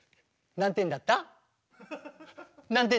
何点だった？